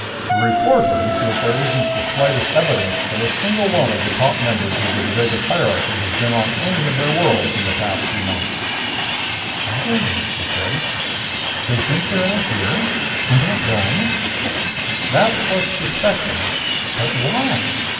The report is that there isn't the slightest evidence that a single one of the top members of the Devagas hierarchy has been on any of their worlds in the past two months." "Oh," she said. "They think they're out here? In that dome?" "That's what's suspected." "But why?"